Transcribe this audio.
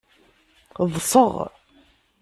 Ḍḍseɣ.